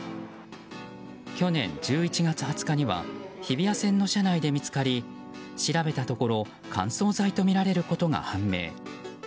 去年１１月２０日には日比谷線の車内で見つかり調べたところ乾燥剤とみられることが判明。